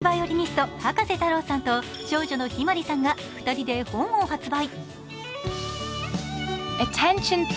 世界的バイオリニスト、葉加瀬太郎さんと長女の向日葵さんが２人で本を発売。